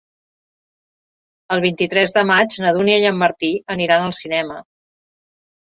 El vint-i-tres de maig na Dúnia i en Martí aniran al cinema.